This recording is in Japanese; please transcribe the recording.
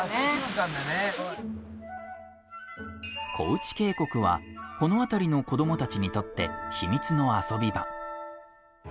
河内渓谷はこの辺りの子どもたちにとってヒミツの遊び場。